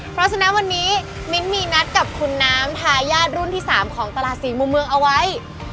เพราะฉะนั้นวันนี้มิ้นท์มีนัดกับคุณน้ำทายาทรุ่นที่๓ของตลาดสี่มุมเมืองเอาไว้